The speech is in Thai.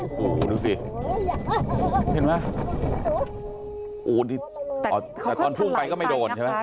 โอ้โหดูสิเห็นไหมโอ้โหแต่เขาก็ถล่ายไปนะคะ